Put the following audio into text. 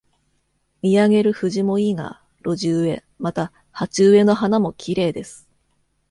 見上げるフジもいいが、路地植え、また、鉢植えの花もきれいです。